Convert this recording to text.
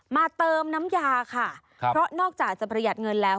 เติมน้ำยาค่ะครับเพราะนอกจากจะประหยัดเงินแล้ว